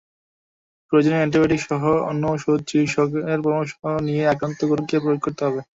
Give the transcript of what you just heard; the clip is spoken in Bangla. প্রয়োজনে অ্যান্টিবায়োটিকসহ অন্য ওষুধও চিকিৎসকের পরামর্শ নিয়ে আক্রান্ত গরুকে প্রয়োগ করতে হবে।